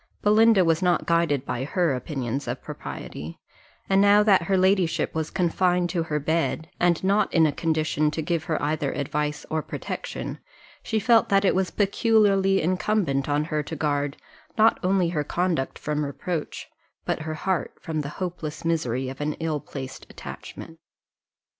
Belinda was not guided by her opinions of propriety; and now that her ladyship was confined to her bed, and not in a condition to give her either advice or protection, she felt that it was peculiarly incumbent on her to guard, not only her conduct from reproach, but her heart from the hopeless misery of an ill placed attachment.